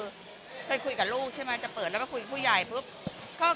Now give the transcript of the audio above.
จะส่งโดยเคยคุยกับลูกใช่ไหมจะเปิดตั้งในครั้งหน้าพูดกับผู้ใหญ่ก็พอปิดอ่ะ